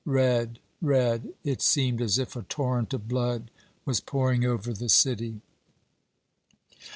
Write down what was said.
Red! red! It seemed as if a torrent of blood was pouring over the city.